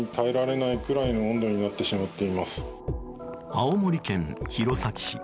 青森県弘前市。